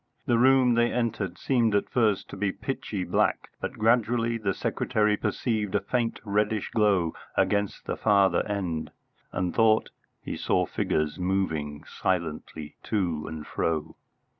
The room they entered seemed at first to be pitchy black, but gradually the secretary perceived a faint reddish glow against the farther end, and thought he saw figures moving silently to and fro.